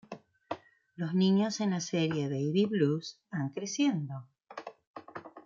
Los niños en la serie Baby Blues, van creciendo.